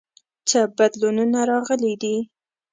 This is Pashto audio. څه بدلونونه راغلي دي؟